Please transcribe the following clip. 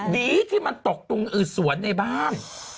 ดีที่มันตกตรงอื่นสวนในบ้าน